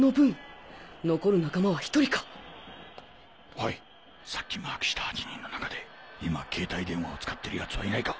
おいさっきマークした８人の中で今携帯電話を使ってる奴はいないか？